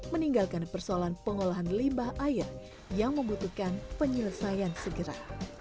meninggalkan persoalan pengolahan limbah air yang membutuhkan penyelesaian segera